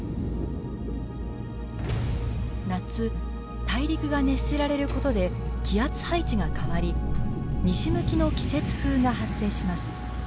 夏大陸が熱せられることで気圧配置が変わり西向きの季節風が発生します。